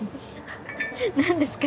何ですか？